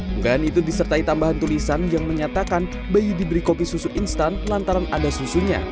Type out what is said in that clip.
unggahan itu disertai tambahan tulisan yang menyatakan bayi diberi kopi susu instan lantaran ada susunya